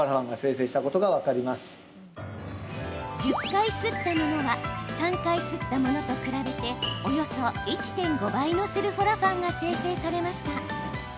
１０回すったものは３回すったものと比べておよそ１．５倍のスルフォラファンが生成されました。